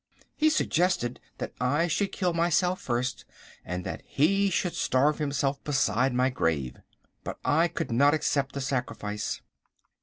He suggested that I should kill myself first and that he should starve himself beside my grave. But I could not accept the sacrifice.